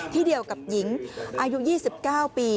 ที่เดียวกับหญิงอายุ๒๙ปี